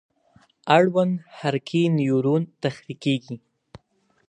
اړوند حرکي نیورون تحریکیږي.